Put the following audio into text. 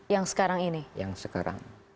yang sekarang ini yang sekarang